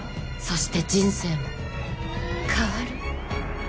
そして人生も変わる。